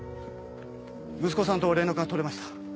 息子さんと連絡がとれました。